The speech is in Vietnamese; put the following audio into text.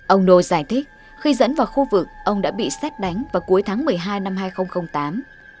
ông no giải thích khi dẫn vào khu vực ông đã bị xét đánh vào cuối tháng một mươi hai năm hai nghìn tám